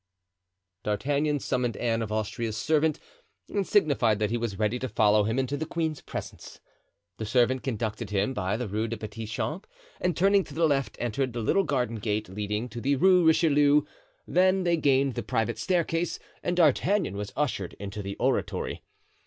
D'Artagnan summoned Anne of Austria's servant and signified that he was ready to follow him into the queen's presence. The servant conducted him by the Rue des Petits Champs and turning to the left entered the little garden gate leading into the Rue Richelieu; then they gained the private staircase and D'Artagnan was ushered into the oratory.